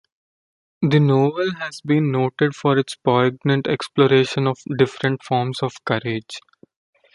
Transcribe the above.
The novel has been noted for its poignant exploration of different forms of courage.